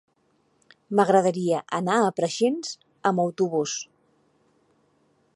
M'agradaria anar a Preixens amb autobús.